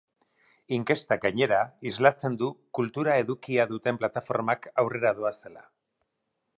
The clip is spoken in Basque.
Inkestak, gainera, islatzen du kultura edukia duten plataformak aurrera doazela.